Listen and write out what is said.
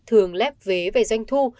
thường lép vé về doanh thu